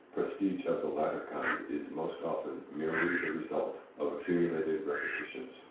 Prestige of the latter kind is most often merely the result of accumulated repetitions.